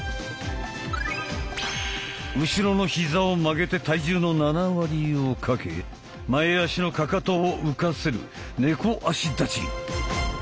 後ろの膝を曲げて体重の７割をかけ前足のかかとを浮かせる「猫足立ち」。